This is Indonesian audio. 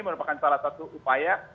merupakan salah satu upaya